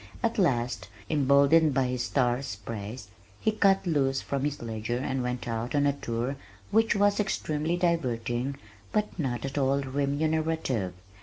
At last, emboldened by his star's praise, he cut loose from his ledger and went out on a tour which was extremely diverting but not at all remunerative.